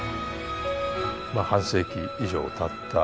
まあ半世紀以上たった